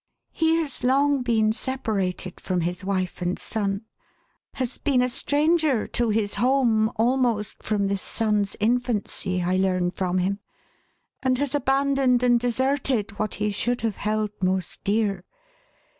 He has long been separated iroin 518 THE HAUNTED MAN. his wife and son — has been a stranger to his homp almost from this son's infancy, I learn from him — and has abandoned and deserted what he should have held most dear.